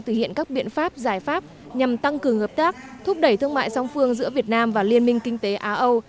thực hiện các biện pháp giải pháp nhằm tăng cường hợp tác thúc đẩy thương mại song phương giữa việt nam và liên minh kinh tế á âu